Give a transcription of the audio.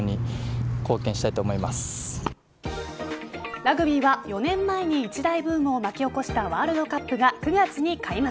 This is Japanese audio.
ラグビーは、５年前に一大ブームを巻き起こしたワールドカップが９月に開幕。